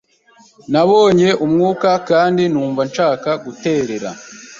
Nabonye umwuka kandi numva nshaka guterera.